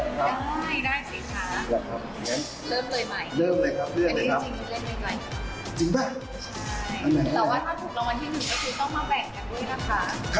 ได้จริงค่ะ